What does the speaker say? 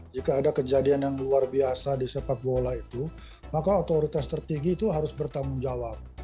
jika ada kejadian yang luar biasa di sepak bola itu maka otoritas tertinggi itu harus bertanggung jawab